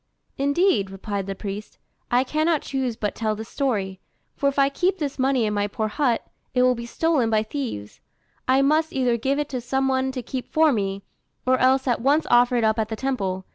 "Indeed," replied the priest, "I cannot choose but tell this story. For if I keep this money in my poor hut, it will be stolen by thieves: I must either give it to some one to keep for me, or else at once offer it up at the temple.